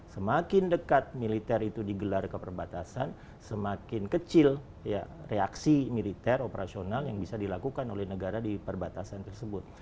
semakin dekat militer itu digelar ke perbatasan semakin kecil reaksi militer operasional yang bisa dilakukan oleh negara di perbatasan tersebut